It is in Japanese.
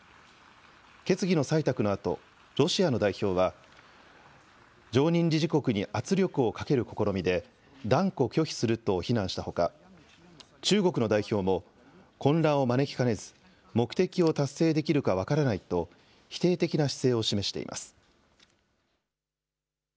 決議の採択のあとロシアの代表は常任理事国に圧力をかける試みで断固拒否すると非難したほか中国の代表も混乱を招きかねず目的を達成できるか分からないと否定的な姿勢を示しています。